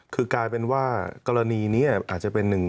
คือกลายเป็นว่ากรณีนี้อาจจะเป็นหนึ่ง